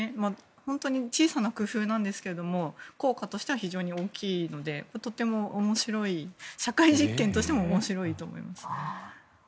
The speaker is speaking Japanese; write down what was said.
本当に小さな工夫なんですけど効果としては非常に大きいので社会実験としても面白いと思います。